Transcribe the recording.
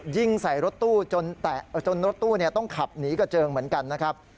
ยิงใส่รถตู้จนรถตู้ต้องขับหนีกระเจิงเหมือนกันนะครับ